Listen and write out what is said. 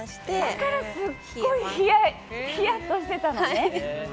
だからすごいヒヤッとしてたのね！